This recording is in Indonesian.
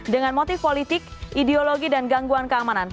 dengan motif politik ideologi dan gangguan keamanan